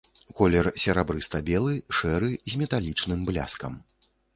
Колер серабрыста-белы, шэры, з металічным бляскам.